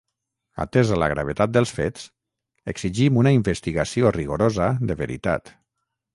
Atesa la gravetat dels fets, exigim una investigació rigorosa de veritat.